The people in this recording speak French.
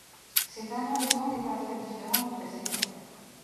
Cet amendement n’est pas très différent du précédent.